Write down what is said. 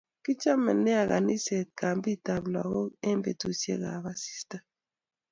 Kichome nea kaniset kambit ab lakok eng betusiek ab asista